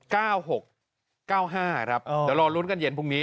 เก้าหกเก้าห้าครับอ๋อเดี๋ยวรอลุ้นกันเย็นพรุ่งนี้